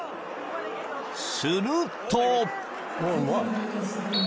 ［すると］